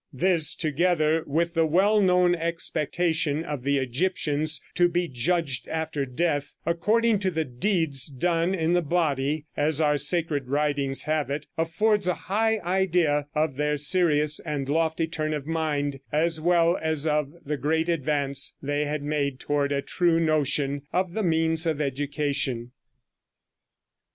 This, together with the well known expectation of the Egyptians to be judged after death according to the "deeds done in the body," as our sacred writings have it, affords a high idea of their serious and lofty turn of mind, as well as of the great advance they had made toward a true notion of the means of education.